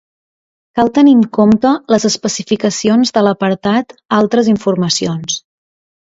Cal tenir en compte les especificacions de l'apartat "Altres informacions".